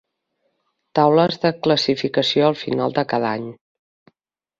Taules de classificació al final de cada any.